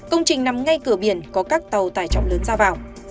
công trình nằm ngay cửa biển có các tàu tải trọng lớn ra vào